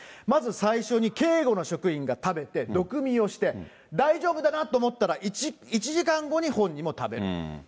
ただ最初に警護の職員が食べて、毒味をして、大丈夫だなと思ったら、１時間後に本人も食べる。